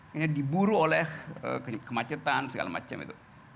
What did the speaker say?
ini diburu oleh kemacetan segala macam itu